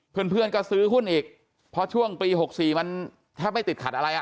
เพื่อนก็ซื้อหุ้นอีกเพราะช่วงปี๖๔มันแทบไม่ติดขัดอะไรอ่ะ